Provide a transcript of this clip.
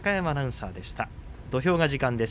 土俵が時間です。